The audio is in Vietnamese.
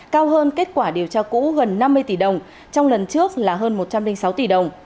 cao hơn kết quả điều tra cũ gần năm mươi tỷ đồng trong lần trước là hơn một trăm linh sáu tỷ đồng